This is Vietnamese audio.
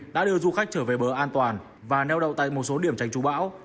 đã đưa du khách trở về bờ an toàn và nheo đậu tại một số điểm trành trú bão